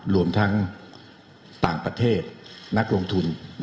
รวมทั้งต่างประเทศนักลงทุน